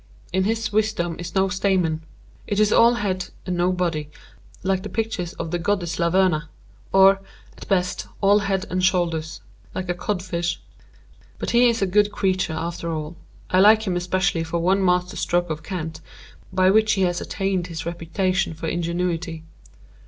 In his wisdom is no stamen. It is all head and no body, like the pictures of the Goddess Laverna,—or, at best, all head and shoulders, like a codfish. But he is a good creature after all. I like him especially for one master stroke of cant, by which he has attained his reputation for ingenuity.